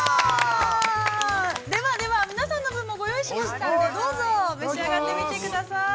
◆ではでは皆さんの分もご用意しましたんで、どうぞ召し上がってみてください。